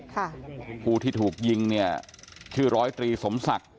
ผู้ที่ถูกยิงเนี่ยชื่อร้อยตรีสมศักดิ์